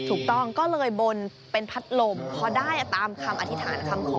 ถูกต้องก็เลยบนเป็นพัดลมพอได้ตามคำอธิษฐานคำขอ